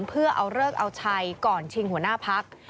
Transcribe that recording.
เพื่อเอาเลิกเอาชัยก่อนชิงหัวหน้าพัก